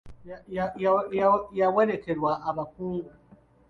Yawerekerwa abakungu.